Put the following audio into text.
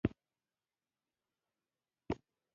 خوب د نفسونـو آرام ساتي